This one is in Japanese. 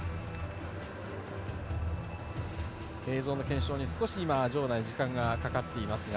映像の検証に少し時間がかかっていますが。